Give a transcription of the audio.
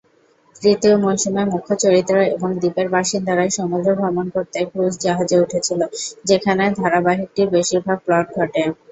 তৃতীয় মৌসুমে, মুখ্য চরিত্র এবং দ্বীপের বাসিন্দারা সমুদ্র ভ্রমণ করতে ক্রুজ জাহাজে উঠেছিল, যেখানে ধারাবাহিকটির বেশিরভাগ প্লট ঘটে।